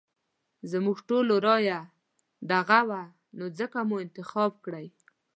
زموږ ټولو رايه ددغه وه نو ځکه مو انتخاب کړی.